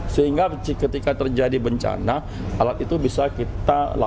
sehingga ketika terjadi bencana alat itu bisa kita lakukan